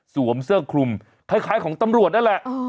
เสื้อคลุมคล้ายของตำรวจนั่นแหละ